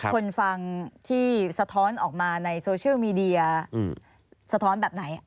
คนฟังที่สะท้อนออกมาในโซเชียลมีเดียสะท้อนแบบไหน